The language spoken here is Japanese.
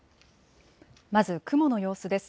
まず雲の様子です。